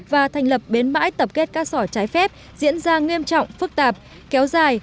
và thành lập bến bãi tập kết cát sỏi trái phép diễn ra nghiêm trọng phức tạp kéo dài